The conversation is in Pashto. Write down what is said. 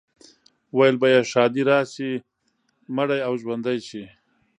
ویل به یې ښادي راشي، مړی او ژوندی شي.